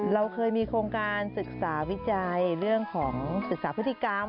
เราเคยมีโครงการศึกษาวิจัยเรื่องของศึกษาพฤติกรรม